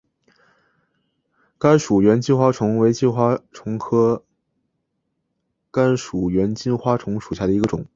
甘薯猿金花虫为金花虫科甘薯猿金花虫属下的一个种。